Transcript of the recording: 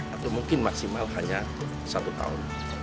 atau mungkin maksimal hanya satu tahun